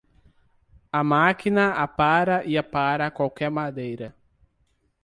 A máquina apara e apara qualquer madeira.